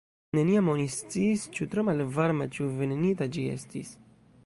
Neniam oni sciis, ĉu tro malvarma, ĉu venenita ĝi estis.